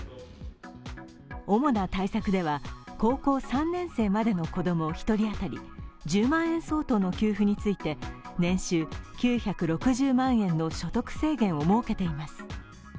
主な対策では高校３年生までの子供１人当たり１０万円相当の給付について年収９６０万円の所得制限を設けています。